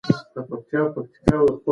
پښتو د ټولو پښتنو د زړه غږ او اراده ده.